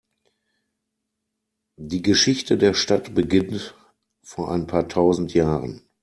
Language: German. Die Geschichte der Stadt beginnt vor ein paar tausend Jahren.